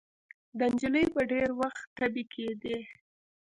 د نجلۍ به ډېر وخت تبې کېدې.